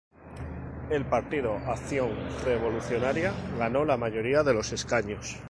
El Partido Acción Revolucionaria ganó la mayoría de los escaños.